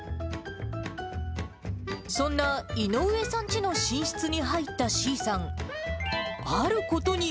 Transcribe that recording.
そんな井上さんちの寝室に入ったｓｅａさん。